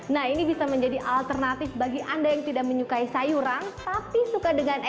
nah ini bisa menjadi alternatif bagi anda yang tidak menyukai sayuran tapi suka dengan